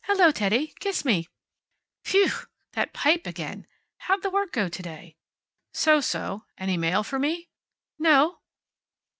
"Hello, Teddy. Kiss me. Phew! That pipe again. How'd the work go to day?" "So so. Any mail for me?" "No."